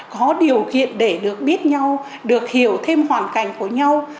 có điều kiện để được biết nhau được hiểu thêm hoàn cảnh của nhau